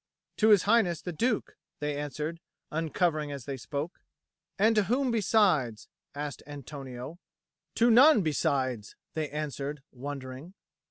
"To His Highness the Duke," they answered, uncovering as they spoke. "And to whom besides?" asked Antonio. "To none besides," they answered, wondering.